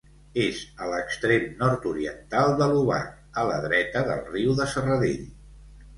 És a l'extrem nord-oriental de l'Obac, a la dreta del riu de Serradell.